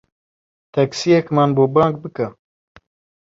تەکسییەکمان بۆ بانگ بکە.